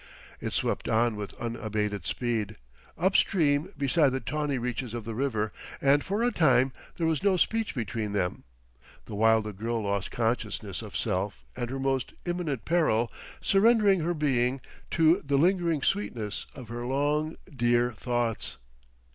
It swept on with unabated speed, up stream beside the tawny reaches of the river; and for a time there was no speech between them, the while the girl lost consciousness of self and her most imminent peril, surrendering her being to the lingering sweetness of her long, dear thoughts....